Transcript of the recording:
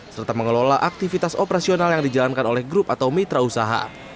serta mengelola aktivitas operasional yang dijalankan oleh grup atau mitra usaha